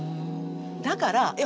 だからえっ